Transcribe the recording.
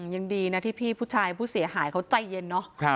ยังดีนะที่พี่ผู้ชายผู้เสียหายเขาใจเย็นเนอะ